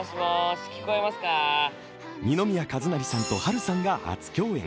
二宮和也さんと波瑠さんが初共演。